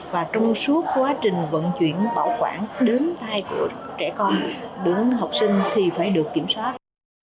và trong suốt quá trình vận chuyển bảo quản đứng tay của trẻ con đến học sinh thì phải được kiểm soát